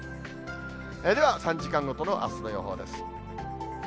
では、３時間ごとのあすの予報です。